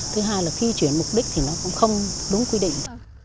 thứ hai là khi chuyển mục đích thì nó cũng không đúng quy định